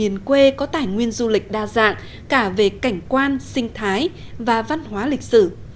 nguyên du lịch đa dạng cả về cảnh quan sinh thái và văn hóa lịch sử